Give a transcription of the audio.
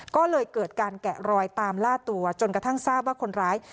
ก็เลยเกิดการแกะรอยตามล่าตัวจนกระทั่งทราบว่าคนร้าย